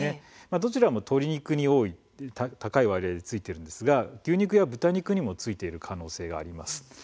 どちらも鶏肉に高い割合で付いているんですが牛肉や豚肉にも付いている可能性があります。